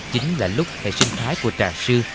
chính là lúc hệ sinh thái của tà sư